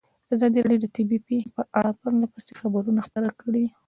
ازادي راډیو د طبیعي پېښې په اړه پرله پسې خبرونه خپاره کړي.